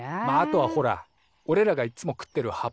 まっあとはほらおれらがいつも食ってる